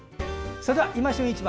それでは「いま旬市場」